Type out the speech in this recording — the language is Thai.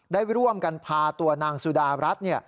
ได้ร่วมกันพาตัวนางสุดารัฐ